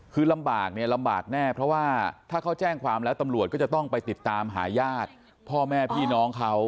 คือลำบากเนี่ยลำบากแน่เพราะว่าถ้าเขาแจ้งความแล้วตำรวจก็จะต้องไปติดตามหาญาติพ่อแม่พี่น้องเขา